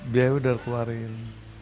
biawi sudah dikeluarkan